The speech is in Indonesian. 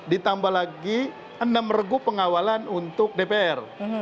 ditambah lagi enam regu pengawalan untuk dpr